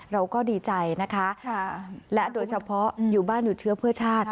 เราก็ดีใจนะคะและโดยเฉพาะอยู่บ้านอยู่เชื้อเพื่อชาติ